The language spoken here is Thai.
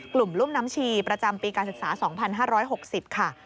กลุ่มรุ่มน้ำชีประจำปีการศึกษา๒๕๖๐ค่ะ